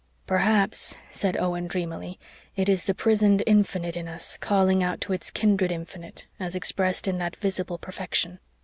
"Perhaps," said Owen dreamily, "it is the prisoned infinite in us calling out to its kindred infinite as expressed in that visible perfection."